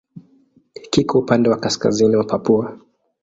Kiko upande wa kaskazini wa Papua.